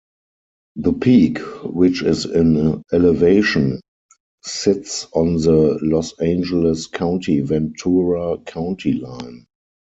The peak, which is in elevation, sits on the Los Angeles County-Ventura County line.